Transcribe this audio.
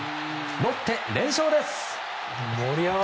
ロッテ、連勝です。